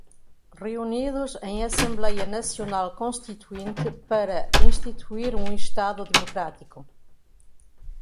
reunidos em Assembleia Nacional Constituinte para instituir um Estado Democrático